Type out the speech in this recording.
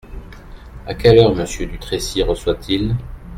À quelle heure Monsieur Dutrécy reçoit-il ?